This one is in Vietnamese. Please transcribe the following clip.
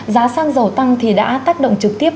giá xăng dầu tăng thì đã tác động trực tiếp